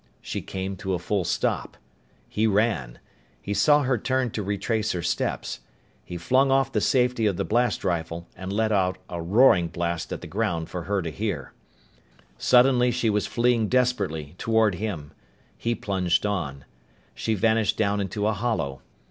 She came to a full stop. He ran. He saw her turn to retrace her steps. He flung off the safety of the blast rifle and let off a roaring blast at the ground for her to hear. Suddenly she was fleeing desperately, toward him. He plunged on. She vanished down into a hollow.